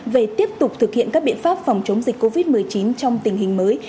về tiếp tục thực hiện các biện pháp phòng chống dịch covid một mươi chín trong tình hình mới